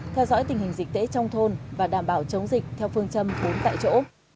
theo dõi tình hình dịch tễ trong thôn và đảm bảo chống dịch theo phương châm bốn tại chỗ